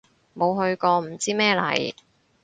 冇去過唔知咩嚟